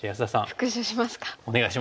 復習しますか。